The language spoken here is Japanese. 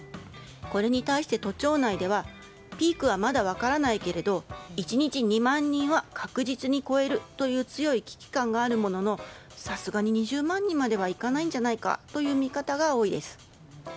これに対して都庁内ではピークはまだ分からないけれど１日２万人は確実に超えるという強い危機感があるもののさすがに２０万人まではいかないんじゃないかという見方が多いです。